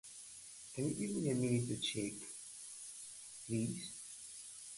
I always fetch the letters when I am here.